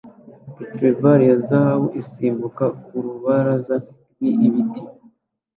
Retriever ya Zahabu isimbuka ku rubaraza rw'ibiti